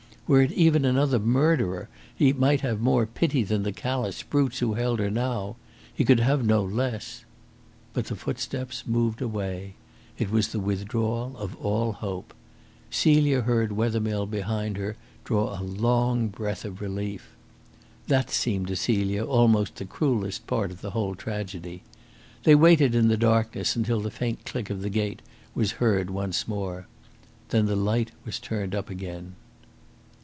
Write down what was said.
Were it even another murderer, he might have more pity than the callous brutes who held her now; he could have no less. But the footsteps moved away. It was the withdrawal of all hope. Celia heard Wethermill behind her draw a long breath of relief. That seemed to Celia almost the cruellest part of the whole tragedy. They waited in the darkness until the faint click of the gate was heard once more. Then the light was turned up again.